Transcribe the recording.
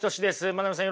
真鍋さん